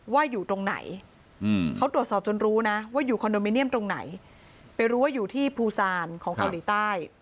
ไปรู้ว่าอยู่ที่ภูซานของเกาหลีใต้